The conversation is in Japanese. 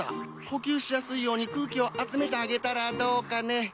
呼吸しやすいように空気を集めてあげたらどうかね。